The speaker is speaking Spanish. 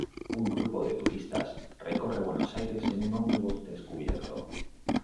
Un grupo de turistas recorre Buenos Aires en un ómnibus descubierto.